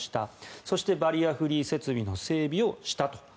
そしてバリアフリー設備の整備をした。